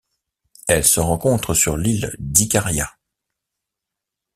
Elle se rencontre sur l'île d'Ikaria.